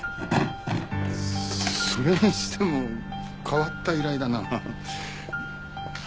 それにしても変わった依頼だなあ。